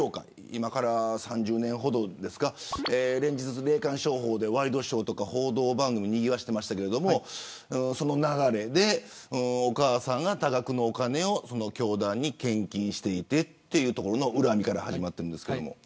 今から３０年ほど前ですか連日、霊感商法でワイドショーや報道番組をにぎわせていましたがその流れで、お母さんが多額のお金を教団に献金していてという恨みから始まったんですけれども。